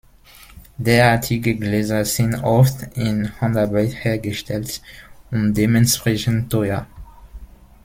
Derartige Gläser sind oft in Handarbeit hergestellt und dementsprechend teuer.